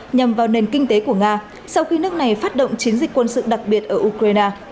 nhằm vào nền kinh tế của nga sau khi nước này phát động chiến dịch quân sự đặc biệt ở ukraine